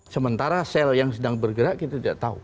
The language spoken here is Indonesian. sementara sel yang sedang bergerak kita tidak tahu